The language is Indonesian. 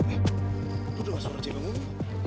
eh lu udah masuk ke tempat bangun